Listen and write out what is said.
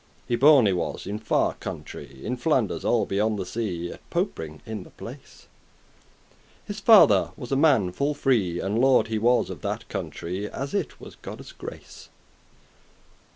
Y born he was in far country, In Flanders, all beyond the sea, At Popering <2> in the place; His father was a man full free, And lord he was of that country, As it was Godde's grace.